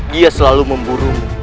dia selalu memburu